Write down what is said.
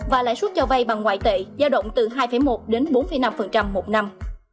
và lãi suất cho vay bằng ngoại tệ giao động từ hai một đến bốn năm một năm